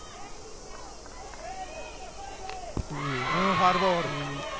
ファウルボール。